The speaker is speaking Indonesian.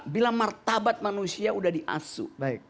bila martabat manusia udah di asu